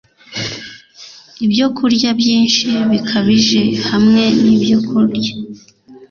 Ibyokurya byinshi bikabije hamwe nibyokurya